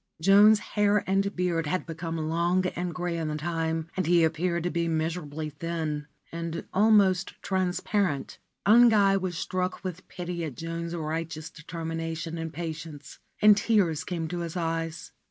' Joan's hair and beard had become long and grey in the time, and he appeared to be miserably thin and almost transparent. Ungai was struck with pity at Joan's righteous determination and patience, and tears came to his eyes.